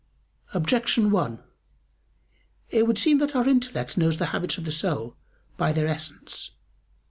Objection 1: It would seem that our intellect knows the habits of the soul by their essence.